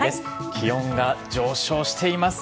気温が上昇しています。